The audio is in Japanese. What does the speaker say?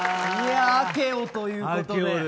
あけおということで。